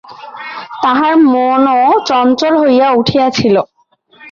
তাঁহার মনও চঞ্চল হইয়া উঠিয়াছিল।